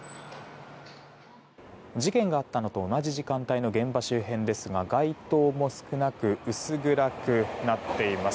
事件があったのと同じ時間帯の現場周辺ですが街灯も少なく薄暗くなっています。